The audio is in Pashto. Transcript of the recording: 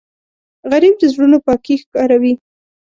غریب د زړونو پاکی ښکاروي